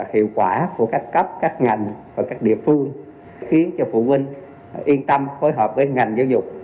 hiệu quả của các cấp các ngành và các địa phương khiến cho phụ huynh yên tâm phối hợp với ngành giáo dục